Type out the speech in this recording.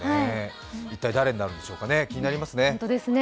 一体誰になるんでしょうかね、気になりますね。